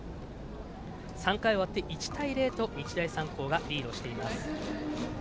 ３回終わって１対０と日大三高がリードしています。